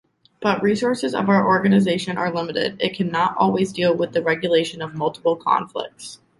But resources of our Organization are limited, it can not always deal with the regulation of multiple conflicts.